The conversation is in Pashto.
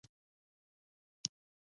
مصنوعي ځیرکتیا د ستونزو حل اسانه کوي.